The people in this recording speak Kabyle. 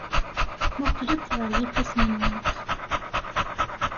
Mmuqqlemt ɣer yifassen-nwent.